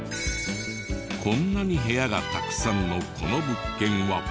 こんなに部屋がたくさんのこの物件は。